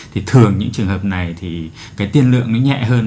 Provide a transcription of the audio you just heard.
thì thường những trường hợp này thì cái tiên lượng nó nhẹ hơn